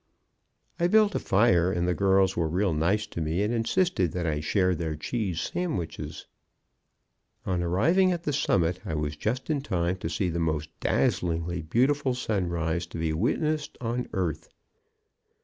I built a fire, and the girls were real nice to me, and insisted that I share their cheese sandwiches. On arriving at the summit I was just in time to see the most dazzlingly beautiful sunrise to be witnessed on earth.